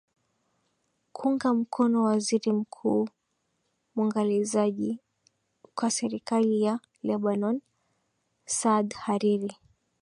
kuunga mkono waziri mkuu mwangalizi wa serikali ya lebanon saad hariri